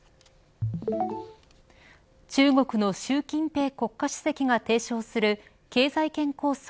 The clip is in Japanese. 中国の習近平国家主席が提唱する経済圏構想